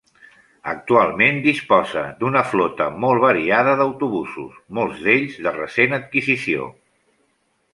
Actualment disposa d'una flota molt variada d'autobusos, molts d'ells de recent adquisició.